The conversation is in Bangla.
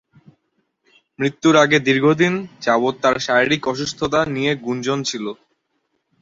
মৃত্যুর আগে দীর্ঘদিন যাবৎ তার শারীরিক অসুস্থতা নিয়ে গুঞ্জন ছিল।